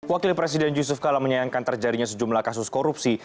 wakil presiden yusuf kala menyayangkan terjadinya sejumlah kasus korupsi